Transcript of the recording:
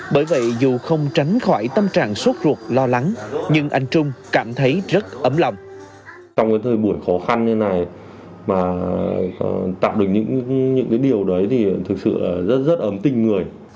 bởi vậy dù không tránh khỏi tâm trạng sốt ruột lo lắng nhưng anh trung cảm thấy rất ấm lòng